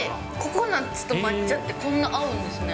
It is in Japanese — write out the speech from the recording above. ココナッツと抹茶って、こんな合うんですね。